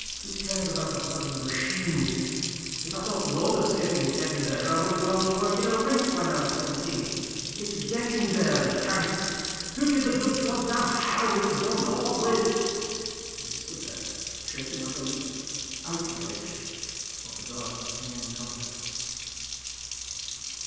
"Who cares about the bloody machines! If I thought roller skating would get me there, I would have gone to work in a rink when I was seventeen! It's getting there that counts! Who gives a good goddam how it's done, or what with!" And he stood there, shaking like a leaf, outraged, while the guards came and got her.